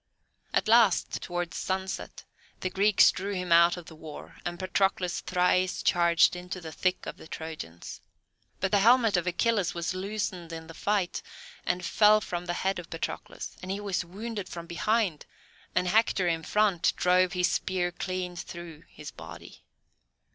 At last, towards sunset, the Greeks drew him out of the war, and Patroclus thrice charged into the thick of the Trojans. But the helmet of Achilles was loosened in the fight, and fell from the head of Patroclus, and he was wounded from behind, and Hector, in front, drove his spear clean through his body.